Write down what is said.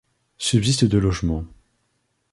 Subsistent deux logements.